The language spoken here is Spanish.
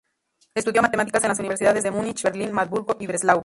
Estudió matemáticas en las universidades de Múnich, Berlín, Marburgo y Breslau.